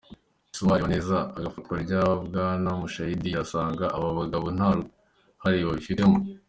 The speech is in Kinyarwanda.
Ese uwareba neza ifatwa rya Bwana Mushayidi yasanga aba bagabo nta ruhare babifitemo?